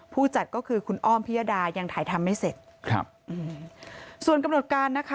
ผู้จัดก็คือคุณอ้อมพิยดายังถ่ายทำไม่เสร็จครับอืมส่วนกำหนดการนะคะ